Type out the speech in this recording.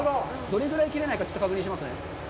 どれぐらい切れないか確認しますね。